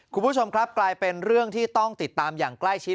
คุณผู้ชมครับกลายเป็นเรื่องที่ต้องติดตามอย่างใกล้ชิด